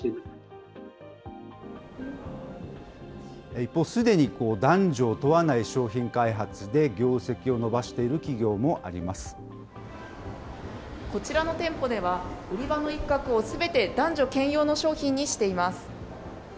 一方、すでに男女を問わない商品開発で業績を伸ばしている企業もありまこちらの店舗では、売り場の一角をすべて男女兼用の商品にしています。